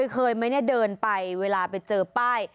เคยไหมเนี่ยเดินไปเวลาไปเจอป้าย